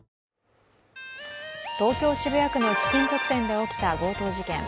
東京・渋谷区の貴金属店で起きた強盗事件。